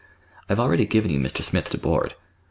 I've already given you Mr. Smith to board."